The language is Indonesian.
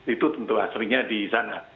itu tentu aslinya di sana